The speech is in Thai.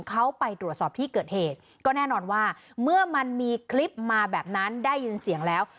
เขาไปตรวจสอบที่เกิดเหตุก็แน่นอนว่าเมื่อมันมีคลิปมาแบบนั้นได้ยินเสียงแล้ว